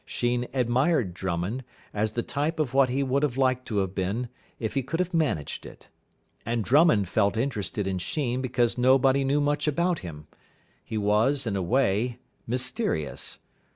Sheen admired Drummond, as the type of what he would have liked to have been, if he could have managed it. And Drummond felt interested in Sheen because nobody knew much about him. He was, in a way, mysterious.